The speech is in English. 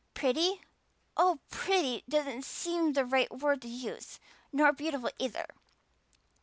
"Pretty? Oh, pretty doesn't seem the right word to use. Nor beautiful, either.